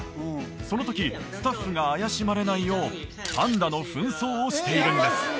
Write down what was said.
その時スタッフが怪しまれないようパンダのふん装をしているんです